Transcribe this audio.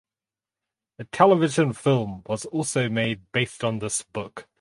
A television film was also made based on this book.